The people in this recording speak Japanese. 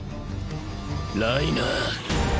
ライナー。